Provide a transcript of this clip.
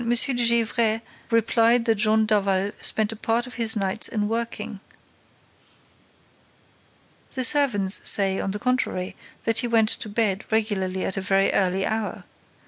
de Gesvres replied that Jean Daval spent a part of his nights in working." "The servants say, on the contrary, that he went to bed regularly at a very early hour.